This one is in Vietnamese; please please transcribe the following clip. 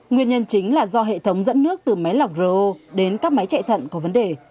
nguyên nhân chính là do hệ thống dẫn nước từ máy lọc ro đến các máy chạy thận có vấn đề